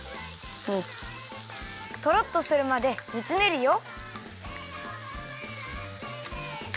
トロッとするまでにつめるよ。